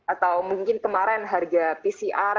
atau mungkin kemarin harga pcr